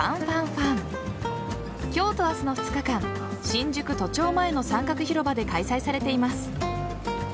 今日と明日の２日間新宿・都庁前の三角広場で開催されています。